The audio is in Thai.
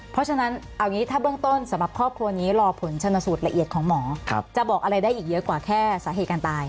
เพราะฉะนั้นเอางี้ถ้าเบื้องต้นสำหรับครอบครัวนี้รอผลชนสูตรละเอียดของหมอจะบอกอะไรได้อีกเยอะกว่าแค่สาเหตุการตาย